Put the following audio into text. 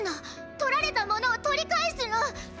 とられたものをとりかえすの。